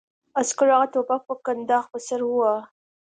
عسکر هغه د ټوپک په کنداغ په سر وواهه